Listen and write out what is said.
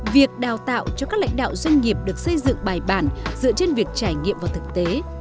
việc đào tạo cho các lãnh đạo doanh nghiệp được xây dựng bài bản dựa trên việc trải nghiệm vào thực tế